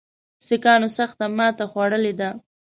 سیکهانو سخته ماته خوړلې ده.